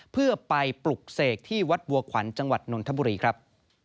เพื่อไปปลุกเสกที่วัดบัวขวัญจังหวัดนนทบุรีครับ